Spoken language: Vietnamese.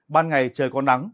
bàn ngày trời có nắng